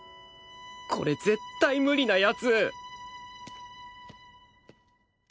これ絶対無理なやつ！